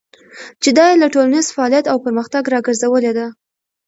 چې دا يې له ټولنيز فعاليت او پرمختګه راګرځولې ده.